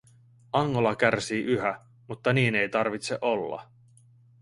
Angola kärsii yhä, mutta niin ei tarvitse olla.